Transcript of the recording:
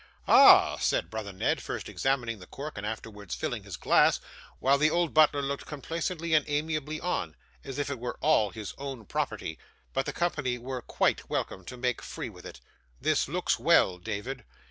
'Ha!' said brother Ned, first examining the cork and afterwards filling his glass, while the old butler looked complacently and amiably on, as if it were all his own property, but the company were quite welcome to make free with it, 'this looks well, David.